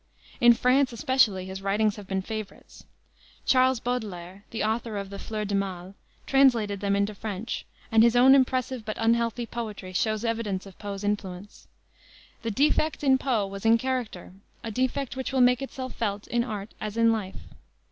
In France especially his writings have been favorites. Charles Baudelaire, the author of the Fleurs du Mal, translated them into French, and his own impressive but unhealthy poetry shows evidence of Poe's influence. The defect in Poe was in character, a defect which will make itself felt in art as in life.